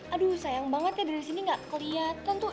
aduh sayang banget ya dari sini gak kelihatan tuh